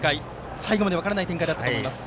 最後まで分からない展開だったと思います。